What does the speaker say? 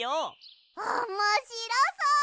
おもしろそう！